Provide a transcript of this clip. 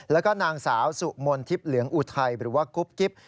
แล้วก็นางสาวสุมนทิพย์เหลืองอุทัยหรือว่ากุ๊บกิ๊บ